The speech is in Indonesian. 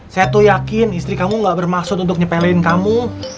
saya tuh yakin istri kamu gak bermaksud untuk nyepelin kamu